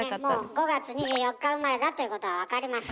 ５月２４日生まれだということは分かりました。